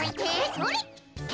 それ。